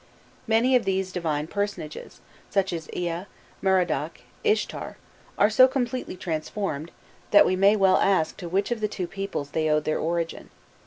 Many of these divine personages, such as Ea, Merodach, Ishtar, are so completely transformed, that we may well ask to which of the two peoples they owed their origin.